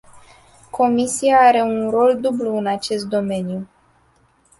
Comisia are un rol dublu în acest domeniu.